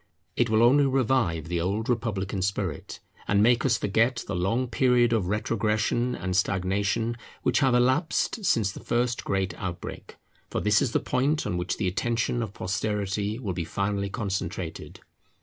It will only revive the old republican spirit, and make us forget the long period of retrogression and stagnation which have elapsed since the first great outbreak; for this is the point on which the attention of posterity will be finally concentrated.